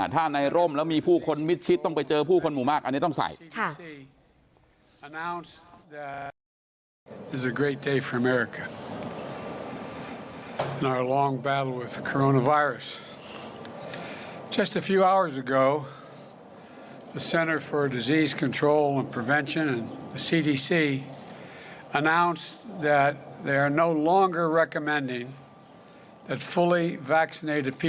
ถ้าในร่มแล้วมีผู้คนมิดชิดต้องไปเจอผู้คนหมู่มากอันนี้ต้องใส่